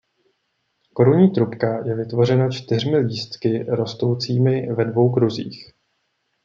Korunní trubka je vytvořena čtyřmi lístky rostoucími ve dvou kruzích.